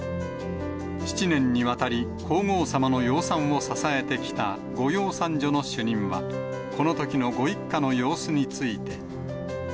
７年にわたり、皇后さまの養蚕を支えてきた、御養蚕所の主任は、このときのご一家の様子について。